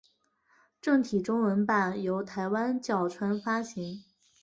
正体中文版由台湾角川发行。